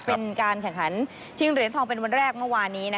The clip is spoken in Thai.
เป็นการแข่งขันชิงเหรียญทองเป็นวันแรกเมื่อวานนี้